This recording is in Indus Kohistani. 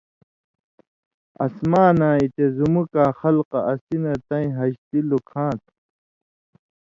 اسماناں یی تے زُمُکاں خلقہ اسی نہ تَیں حاجتی لُکھاں تھہ،